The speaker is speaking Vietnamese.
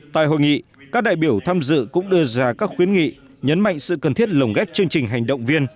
tại hội nghị các đại biểu tham dự cũng đưa ra các khuyến nghị nhấn mạnh sự cần thiết lồng ghép chương trình hành động viên